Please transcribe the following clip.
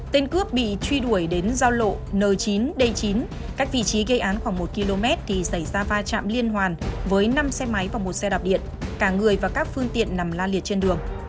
tên cướp bị truy đuổi đến giao lộ n chín d chín cách vị trí gây án khoảng một km thì xảy ra va chạm liên hoàn với năm xe máy và một xe đạp điện cả người và các phương tiện nằm la liệt trên đường